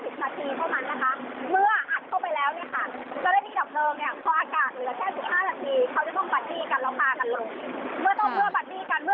เมื่อต้องเมื่อบัดดี้กันเมื่อคนหนึ่งต่างอากาศหมด